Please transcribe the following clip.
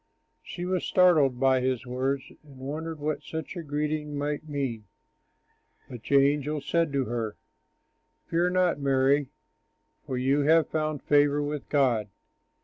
She was startled by his words and wondered what such a greeting might mean. But the angel said to her, "Fear not, Mary, for you have found favor with God.